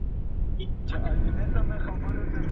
که دوی په ګډ ژوند کي تر طلاق لوی ضررونه ليدل.